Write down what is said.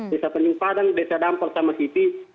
desa tanjung padang desa dampol sama siti